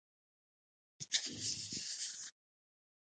اصلاحات د پرانیستو بنسټونو په لور متمرکز وو.